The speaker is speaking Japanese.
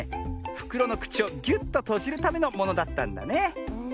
ふくろのくちをギュッととじるためのものだったんだね。